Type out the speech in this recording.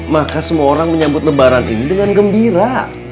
maka semua orang menyambut lebaran ini dengan gembira